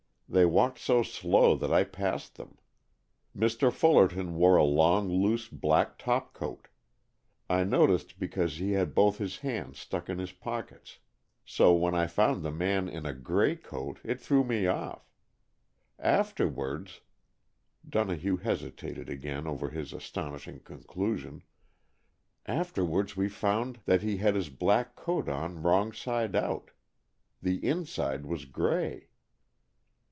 They walked so slow that I passed them. Mr. Fullerton wore a long loose black topcoat. I noticed because he had both his hands stuck in his pockets. So when I found the man in a gray coat it threw me off. Afterwards " Donohue hesitated again over his astonishing conclusion "afterwards we found that he had his black coat on wrong side out. The inside was gray."